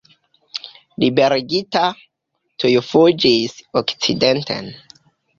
Liberigita, tuj fuĝis okcidenten.